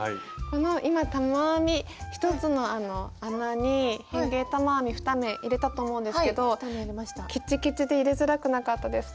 今玉編み１つの穴に変形玉編み２目入れたと思うんですけどきちきちで入れづらくなかったですか？